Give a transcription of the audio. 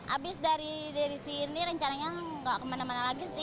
abis dari sini rencananya nggak kemana mana lagi sih